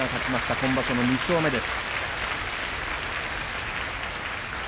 今場所の２勝目です。